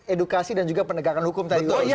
edukasi dan juga penegakan hukum tadi